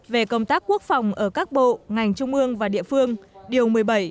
về công tác quốc phòng ở các bộ ngành trung ương và địa phương điều một mươi bảy